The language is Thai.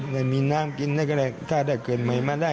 ไม่มีน้ำกินถ้าได้เกิดใหม่มาได้